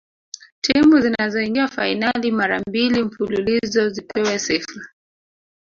timu zinazoingia fainali mara mbili mfululizo zipewe sifa